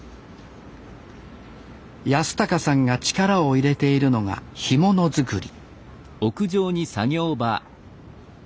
康貴さんが力を入れているのが干物作り